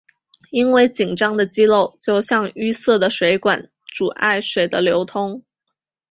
因为紧张的肌肉就像淤塞的水管阻碍水的流通。